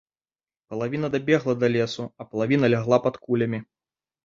Палавіна дабегла да лесу, а палавіна лягла пад кулямі.